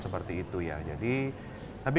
seperti itu ya jadi lebih